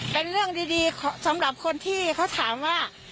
เป็นเรื่องดีสำหรับคนที่เขาถามว่า